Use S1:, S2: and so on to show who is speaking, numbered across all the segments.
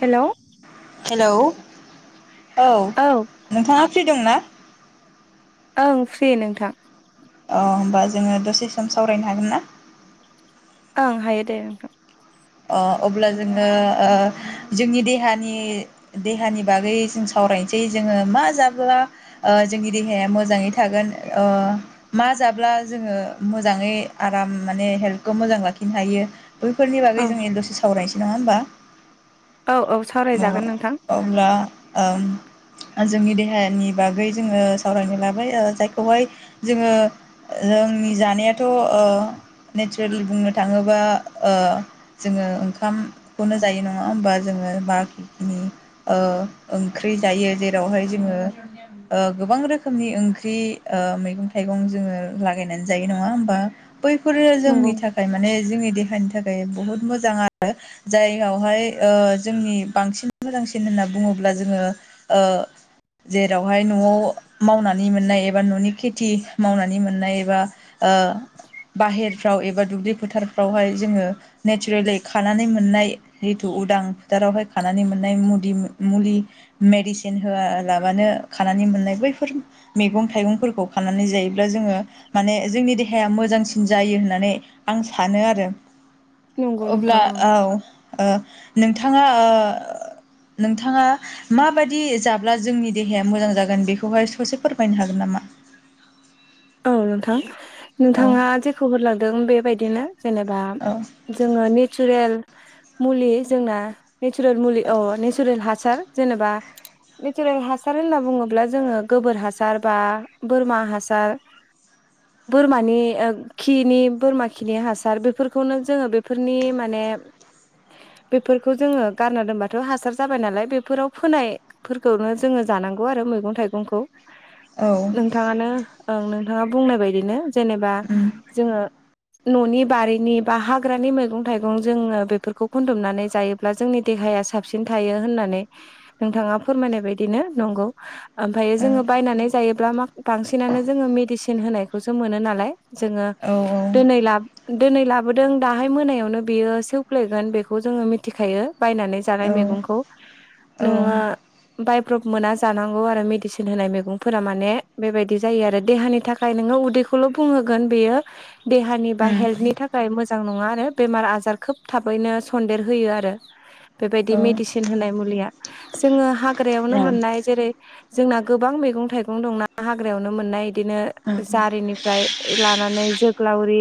S1: Hello
S2: hello औ नोंथाङा free दंना?
S1: ओं फ्रि नोंथां
S2: अ होमबा जोङो दसे सम सावरायनो हागोन ना?
S1: ओं हायो दे नोंथां
S2: अ अब्ला जोङो जोंनि देहानि देहानि बागै जों सावरायनोसै जोङो मा जाब्ला ओ जोंनि देहाया मोजाङै थागोन ओ मा जाब्ला जोङो मोजाङै आराम माने हेल्थखौ मोजां लाखिनो हायो बैफोर
S1: औ
S2: जों दसे सावरायनोसै नङा होमबा
S1: औ औ
S2: ओ
S1: सावरायजागोन नोंथां
S2: अब्ला ओम जोंनि देहानि बागै जोङो सावरायनो लाबाय ओ जायखौहाय जोङो जोंनि जानायाथ ओ नेचारेल बुंनो थाङोबा ओ जोङो ओंखामखौनो जायो नङा होमबा जोङो बा जिखिनि ओ ओंख्रि जायो जेरावहाय जोङो ओ गोबां रोखोमनि ओंख्रि ओ मैगं थाइगं जोङो लागायनानै जायो नङा होमबा बैफोरो
S1: नंगौ
S2: जोंनि थाखाय माने जोंनि देहानि थाखाय बहुद मोजां आरो जायावहाय ओ जोंनि बांसिन मोजांसिन होनना बुङोब्ला जोङो ओ जेरावहाय न'आव मावनानै मोननाय एबा न'नि खेथि मावनानै मोननाय एबा ओ बाहेरफ्राव एबा दुब्लि फोथारफ्रावहाय जोङो नेचारेलि खानानै मोननाय जितु उदां फोथारावहाय खानानै मोननाय मुदि मुलि मेडिसिन होआलाबानो खानानै मोननाय बैफोर मैगं थाइगंफोरखौ खानानै जायो ब्ला जोङो माने जोंनि देहाया मोजांसिन जायो होननानै आं सानो आरो
S1: नंगौ
S2: अब्ला
S1: नोंथां ओं
S2: औ ओ नोंथाङा ओ नोंथाङा माबायदि जाब्ला जोंनि देहाया मोजां जागोन बेखौहाय सासे फोरमायनो हागोन नामा
S1: औ नोंथां
S2: औ
S1: नोंथाङा जेखौ होनलांदों बेबायदिनो जेनेबा
S2: औ
S1: जोङो नेचुरेल मुलि जोंना नेचुरेल मुलि औ नेचुरेल हासार जेनेबा नेचारेल हासार होनना बुङोब्ला जोङो गोबोर हासार बा बोरमा हासार बोरमानि खिनि बोरमा खिनि हासार बेफोरखौनो जोङो बेफोरनि माने
S2: [inaudible]
S1: बेफोरखौ जोङो गारना दोनबाथ हासार जाबाय नालाय बेफोराव फोनाय फोरखौनो जोङो जानांगौ आरो मैगं थाइगंखौ
S2: औ
S1: नोंथाङानो ओं नोंथाङा बुंनाय बायदिनो जेनेबा
S2: उम
S1: जोङो न'नि बारिनि बा हाग्रानि मैगं थाइगं जोङो बेफोरखौ खुनथुमनानै जायो ब्ला जोंनि देहाया साबसिन थायो होननानै नोंथाङा फोरमायनाय बायदिनो नंगौ ओमफ्रायायो
S2: औ
S1: जोङो बायनानै जायोब्ला मा बांसिनानो जोङो मेदिसिन होनायखौसो मोनो नालाय जोङो
S2: औ
S1: दिनै लाब दिनै लाबोदों दाहाय मोनायावनो बियो सिवफ्लेगोन बेखौ जोङो मिथिखायो बायनानै जानाय
S2: औ
S1: मैगंखौ
S2: औ
S1: नोङा बायब्रब मोना जानांगौ आरो मेदिसिन होनाय मैगंफोरा माने बेबायदि जायो आरो देहानि थाखाय नोङो उदैखौल बुंहोगोन बेयो देहानि बा
S2: उम
S1: हेल्थनि था खाय मोजां नङा आरो बेमार आजार खोब थाबैनो सन्देर होयो आरो
S2: औ
S1: बेबायदि मेडिसिन होनाय मुलिया जोङो हाग्रायावनो मोननाय जेरै जोंना गोबां मैगं थाइगं दंना हाग्रायावनो मोननाय बिदिनो जारिनिफ्राय लानानै जो ग्लावरि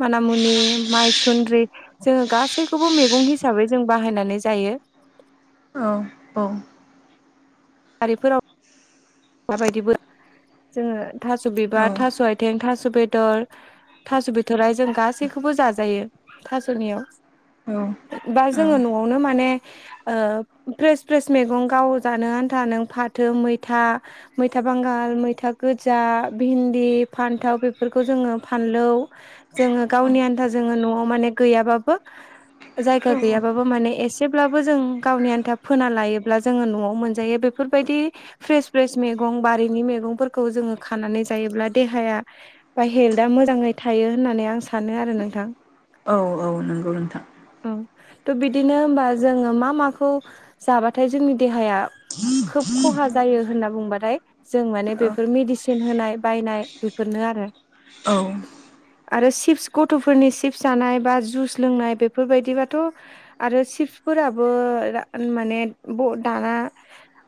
S1: मानामुनि माइसुन्द्रि जोङो गासैखौबो मैगं हिसाबै जों बाहायनानै जायो
S2: औ औ
S1: बारिफोराव दाबायदि बो जोङो थास बिबार थास आथिं थास बेदर थास बिथराय जों गासैखौबो जाजायो थासनियाव दा
S2: औ
S1: जोङो न'आवनो माने ओ फ्रेस फ्रेस मैगं गाव जानो आन्था नों फाथो मैथा मैथा बांगाल मैथा गोजा भिन्दि फान्थाव बेफोरखौ जोङो फानलौ जोङो गावनि आन्था जोङो न'आव माने गैयाबाबो जायगा गैयाबाबो माने एसेब्लाबो जों गावनि आन्था फोना लायोब्ला जोङो न'आव मोनजायो बे फोरबायदि फ्रेस फ्रेस मैगं बारिनि मैगंफोरखौ जोङो खानानै जायोब्ला देहाया बा हेल्था मोजाङै थायो होननानै आं सानो आरो नोंथां
S2: औ औ नंगौ नोंथां
S1: औ त' बिदिनो ओमबा जोङो मा माखौ जाबाथाय जोंनि देहाया खोब खहा जायो होनना बुंबाथाय जों माने
S2: औ
S1: बेफोर मेडिसिन होनाय बायनाय बेफोरनो आरो
S2: औ
S1: आरो सिप्स गथ'फोरनि सिप्स जानाय बा जुस लोंनाय बेफोरबायदिबाथ' आरो चिप्सफोराबो माने ब दाना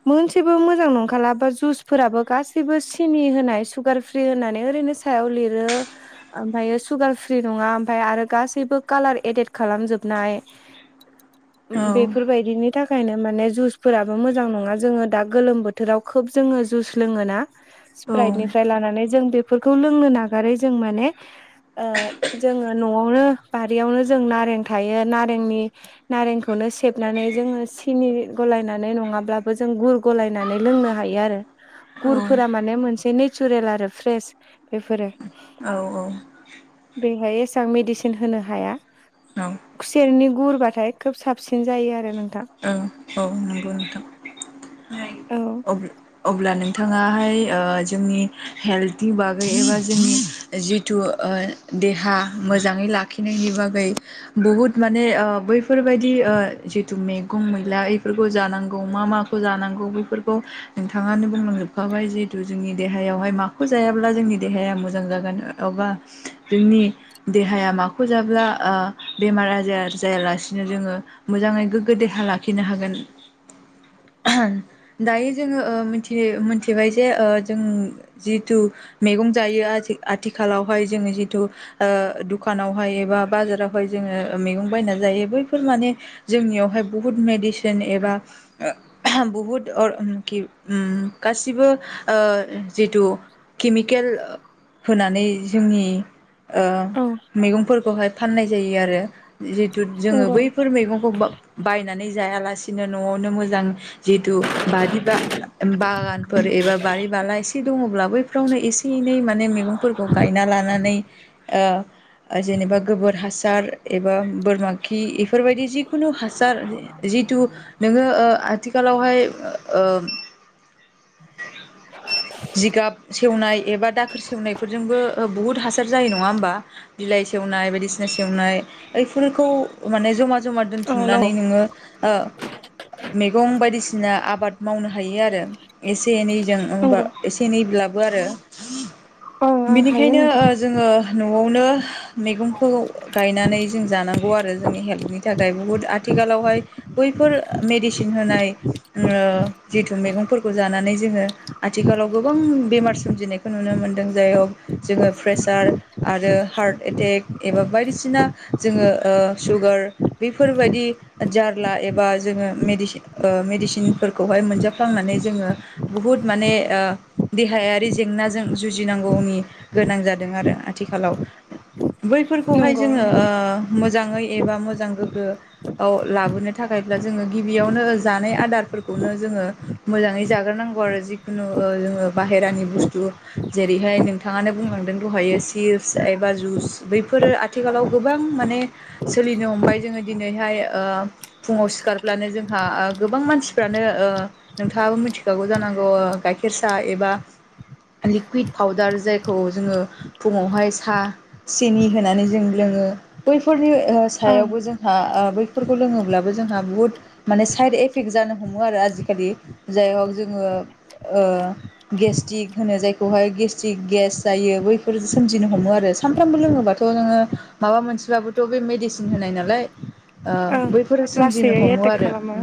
S1: मोनसेबो मोजां नं खालाबा जुसफोराबो गासैबो सिनि होनाय सुगार फ्रि होनानै ओरैनो सायाव लिरो ओमफ्राय सुगार फ्रि नङा ओमफ्राय आरो गासैबो कालार एडेट खालामजोबनाय
S2: [inaudible]
S1: बेफोरबायदिनि थाखायनो माने जुसफोराबो मोजां नङा जोङो दा गोलोम बो थोराव खोब जोङो जुस लोङोना
S2: औ
S1: स्प्राइदनिफ्राय लानानै जों बे बेफोरखौ लोंनो नागारै जों माने ओ जोङो न'वावनो बारियावनो जों नारें थायो नारेंनि नारेंखौनो सेबनानै जोङो सिनि गलायनानै नङाब्लाबो जों गुर गलायना माने लोंनो हायो आरो गुरफोरा माने मोनसे नेचारेल आरो फ्रेस बेफोरो
S2: औ औ
S1: बेहाय एसां मेडिसिन होनो हाया खुसेरनि गुरबाथाय खोब साबसिन जायो आरो नोंथां
S2: औ नंगौ नोंथां
S1: औ
S2: [unintelligible] अब्ला नोंथाङाहाय ओ जोंनि हेल्थनि बागै एबा जोंनि जितु ओ देहा मोजाङै लाखिनायनि बागै बुहुद माने ओ बैफोरबायदि ओ जिथु मैगं मैला इफोरखौ जानांगौ मा मा जानांगौ बैफोरखौ नोंथाङानो बुंलांजोबखाबाय जिहेतु जोंनि देहायावहाय माखौ जायाब्ला जोंनि देहाया मोजां जागोन अबा जोंनि देहाया माखौ जाब्ला ओ बेमार आजार जायालासिनो जोङो मोजाङै गोग्गो देहा लाखिनो हागोन दायो जोङो ओ मिथि मिथिबाय जे ओ जों जितु मैगं जायो आथिखालावहाय जोङो जितु ओ दुखानावहाय एबा बाजारावहाय जोङो मैगं बायना जायो बैफोर माने जोंनियावहाय बुहुत मेडिसिन एबा बुहुद अर किउ उम गासिबो ओ जितु केमिकेल होनानै जोंनि ओ
S1: औ
S2: मैगंफोरखौहाय फाननाय जायो आरो जिहेतु जोङो
S1: नंगौ
S2: बै फोर मैगंखौ बायनानै जायालासिनो न'वावनो मोजां जितु बारि बा बागानफोर एबा बारि बाला एसे दङब्ला बैफ्रावनो एसे एनै माने मैगं फोरखौ गायना लानानै ओ ओ जेनेबा गोबोर हासार एबा बोरमा खि इफोरबायदि जिखुनु हासार जिथु नोङो ओ आथिखालावहाय ओ [inaudible] जिगाब सेवनाय एबा दाखोर सेवनायफोरजोंबो ओ बुहुत हासार जायो नङा ओमबा बिलाइ सेवनाय बायदिसिना सेवनाय ओइफोरखौ माने जमा जमा
S1: औ नंगौ
S2: दोनथुमनानै नोङो ओ मेगं बायदिसिना आबाद मावनो हायो आरो। एसे एनैजों ओमबा
S1: नंगौ
S2: एसे एनैब्लाबो आरो।
S1: ओं आं हायो
S2: बेनिखायनो
S1: नोंथां
S2: ओ जोङो न'वावनो मैगंखौ गायनानै जों जानांगौ आरो जोंनि हेल्थनि थाखाय बुहुद आथिखालावहाय बैफोर मेडिसिन होनाय ओ जिथु मेगं फोरखौ जानानै जोङो आथिखालाव गोबां बेमार सोमजिनायखौ नुनो मोनदों जाय औ जोङो प्रेसार आरो हार्ट एटेक एबा बायदिसिना जोङो सुगार बेफोरबायदि जारला एबा जोङो मेदिसिन मेडिसिनफोरखौहाय मोनजाफ्लांनानै जोङो बुहुद माने देहायारि जेंनाजों जुजिनांगौनि गोनां जादों आरो आथिखालाव। बैफोरखौहाय
S1: नंगौ
S2: जोङो मोजाङै एबा मोजां गोग्गो लाबोनो थाखायब्ला जोङो गिबियावनो जानाय आदारफोरखौनो जोङो मोजाङै जाग्रोनांगौ आरो जिखुनु जोङो बाहेरानि बुस्थु जेरैहाय नोंथाङानो बुंलांदों दहायो चिप्स एबा जुस बैफोरो आथिखालाव गोबां माने सोलिनो हमबाय जोङो दिनैहाय फुङाव सिखारब्लानो जोंहा गोबां मानसिफ्रानो ओ नोंथाङाबो मिथिखागौ जानांगौ ओ गाइखेर साहा एबा लिकुइद पाउदार जायखौ जोङो फुङावहाय साहा सिनि होनानै जों लोङो। बैफोरनि
S1: ओं
S2: सायावबो जोंहा बैफोरखौ लोङोब्लाबो जोंहा बुहुद माने साइद एफेक्ट जानो हमो आरो आजिखालि जाय हक जोङो गेस्टिक होनो जायखौहाय गेस्ट्रिक गेस जायो बैफोर सोमजिनो हमो आरो। सानफ्रामबो लोङोब्लाथ' थ' नोङो माबा मोनसेबाबोथ' बे मेडिसिन होनाय नालाय
S1: ओं
S2: बैफोरो सोमजिनो
S1: लासैयै
S2: हमो
S1: एटेक
S2: आरो
S1: खालामो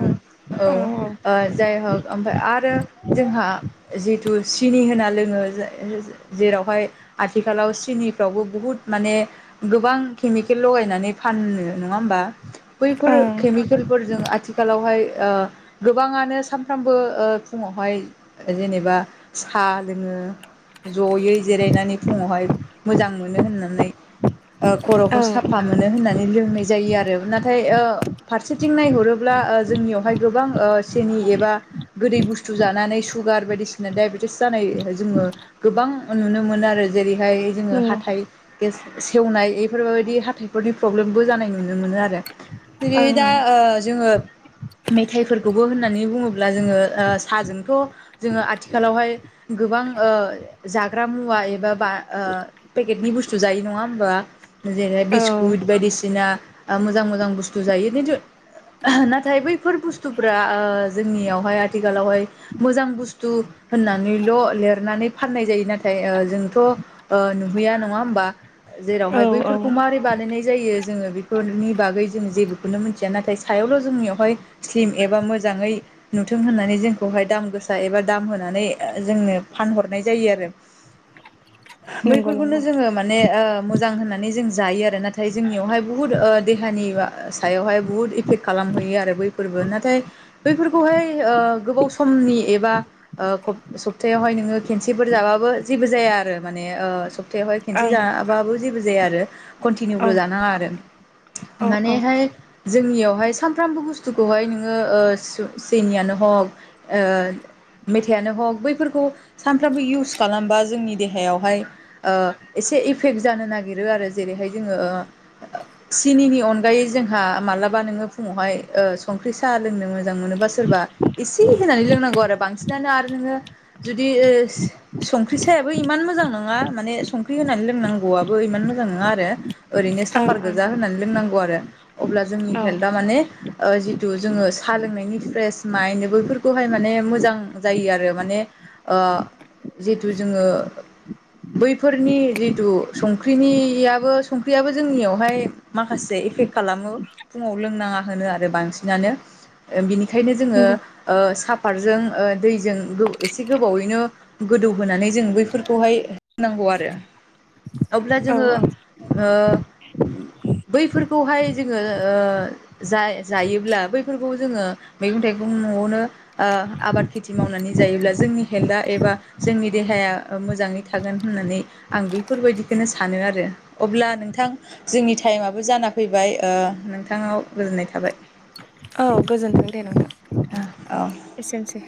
S2: औ जाय हक ओमफाय आरो जोंहा जिथु सिनि होना लोङो जेरावहाय आथिखालाव सिनिफ्रावबो बुहुत माने गोबां केमिकेल लगायनानै फानो नङा होमबा। बैफोर
S1: ओं
S2: केमिकेलफोरजों आथिखालावहाय गोबाङानो सा सानफ्रामबो फुङावहाय जेनेबा साहा लोङो। जयै जिरायनानै फुङावहाय मोजां मोनो होननानै खर'खौ
S1: ओं
S2: साफा मोनो होननानै लोंनाय जायो आरो। नाथाय फारसेथिं नायहरोब्ला ओ जोंनियावहाय गोबां ओ सेनि एबा गोदै बुस्थु जानानै सुगार बायदिसिना डाइबेटिस जानाय जोङो गोबां नुनो मोनो आरो जेरैहाय जोङो
S1: नंगौ
S2: हाथाइ गेस सेवनाय बेफोरबायदि हाथाइफोरनि प्रब्लेमबो जानाय नुनो मोनो आरो। जेरै
S1: ओं
S2: दा जोङो ओ मेथाइफोरखौबो होननानै बुङोब्ला ब्ला जोङो ओ साहाजोंथ' जोङो आथिखालावहाय गोबां ओ जाग्रा मुवा एबा पेकेटनि बुस्थु जायो नङा होमबा। जेरै
S1: ओं
S2: बिस्कुट बायदिसिना मोजां मोजां बुस्थु जायो खिन्थु नाथाय बैफोर बुस्थुफ्रा जोंनियावहाय आथिखालावहाय मोजां बुस्थु होननानैल' लिरनानै फाननाय जायो। नाथाय जोंथ' ओ नुहैया नङा होमबा।
S1: औ
S2: जेरावहाय
S1: औ
S2: बैफोरखौ मारै बानायनाय जायो जोङो बेफोरनि बागै जोङो जेबो खौनो मिथिया नाथाय सायावल' जोंनियावहाय स्लिम एबा मोजाङै नुथों होननानै जोंखौहाय दाम गोसा एबा दाम होनानै जोंनो फानहरनाय जायो आरो।
S1: नंगौ
S2: बैफोरखौनो
S1: नंगौ
S2: जोङो माने मोजां होननानै जों जायो आरो नाथाय जोंनियावहाय बुहुत देहानि सायावहाय बहुत खालामहैयो आरो बैफोरबो नाथाय बैफोरखौहाय ओ गोबाव समनि एबा सप्तायावहाय नोङो खेनसेफोर जाबाबो जेबो जाया आरो माने थायावहाय खेनसे
S1: ओं
S2: जाबाबो जेबो जाया आरो
S1: औ
S2: कनटिनिउल' जानाङा आरो
S1: औ औ ओं
S2: मानेहाय जोंनियावहाय सानफ्रामबो बुस्थुखौहाय नोङो सैमायानो हक ओ मेथाइयानो हग बैफोरखौ सानफ्रामबो इउस खालामबा जोंनि देहायावहाय ओ एसे इफेक्ट जानो नागिरो आरो जेरैहाय जोङो ओ सिनिनि अनगायै जोंहा मालाबा नोङो फुङावहाय संख्रि साहा लोंनो मोजां मोनोबा सोरबा इसे होनानै लोंनांगौ आरो बांसिनानो आरो नोङो जुदि संख्रि सायाबो इमान मोजां नङा माने संख्रि होनानै लोंनांगौआबो इमान मोजां नङा आरो ओरैनो
S1: ओं
S2: सापाद गोजा होनानै लोंनांगौ आरो अब्ला जोंनि
S1: औ
S2: हेल्था माने ओ जिथु जोङो साहा लोंनायनि फ्रेस माइन्द बैफोरखौहाय माने मोजां जायो आरो माने जिहेथु जोङो बैफोरनि जितु संख्रिनियाबो संख्रियाबो जोंनियावहाय माखासे इफेक्ट खालामो फुङाव लोंनाङा होनो आरो बांसिनानो ओ बिनि खायनो जोङो
S1: नंगौ
S2: ओ साफातजों ओ दैजों एसे गोबावैनो गोदौहोनानै जों बैफोरखौहाय होनांगौ आरो अब्ला
S1: औ
S2: जोङो
S1: औ
S2: ओ बैफोरखौहाय जोङो ओ जाय जायोब्ला बैफोरखौ जोङो मैगं-थाइगं न'आवनो ओ आबाद खेथि मावनानै जायोब्ला जोंनि हेल्था एबा जोंनि देहाया मोजाङै थागोन होननानै आं बेफोरबायदिखौनो सानो आरो अब्ला नोंथां जोंनि टाइमाबबो जाना फैबाय नोंथाङाव गोजोननाय थाबाय
S1: औ गोजोनथों दे नोथां
S2: औ
S1: एसेनोसै